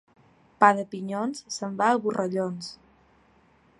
Pa de pinyons se'n va a borrallons.